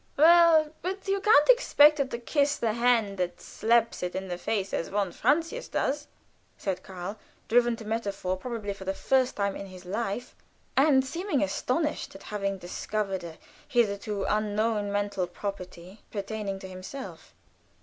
"Well, but you can't expect it to kiss the hand that slaps it in the face, as von Francius does," said Karl, driven to metaphor, probably for the first time in his life, and seeming astonished at having discovered a hitherto unknown mental property pertaining to himself.